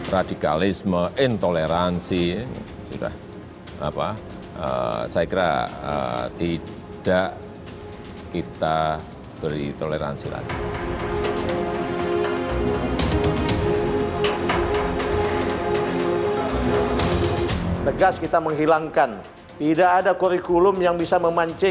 radikalisme intoleransi saya kira tidak kita beri toleransi lagi